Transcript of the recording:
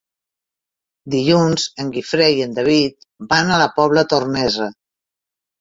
Dilluns en Guifré i en David van a la Pobla Tornesa.